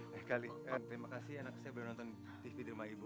lain kali terima kasih anak saya boleh nonton tv di rumah ibu